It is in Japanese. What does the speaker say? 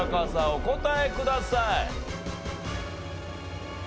お答えください。